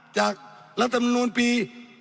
จากรัฐมนุนปี